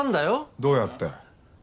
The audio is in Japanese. どうやって？